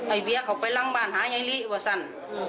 ไอ้เบียเขาไปลั่งบ้านหาไงลี่ว่ะสัน